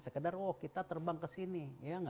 sekedar kita terbang kesini